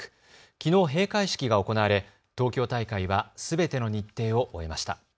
きのう閉会式が行われ東京大会はすべての日程を終えました。